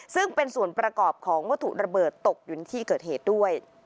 ซึ่งเป็นส่วนประกอบของวัตถุระเบิดตกอยู่ในที่เกิดเหตุด้วย